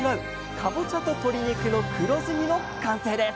かぼちゃと鶏肉の黒酢煮の完成です！